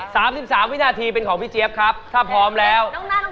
สามสิบสามวินาทีเป็นของพี่เจี๊ยบครับถ้าพร้อมแล้ว